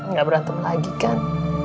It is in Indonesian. nggak berantem lagi kan